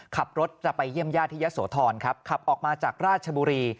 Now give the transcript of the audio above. ขับรถจะไปเยี่ยมญาติที่ยะโสธรครับขับออกมาจากราชบุรี